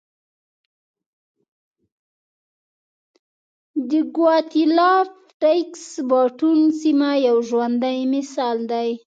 د ګواتیلا پټېکس باټون سیمه یو ژوندی مثال دی.